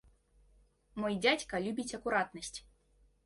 Мой дзядзька любіць акуратнасць.